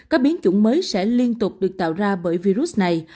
các biến chủng mới sẽ liên tục được tạo ra bởi virus này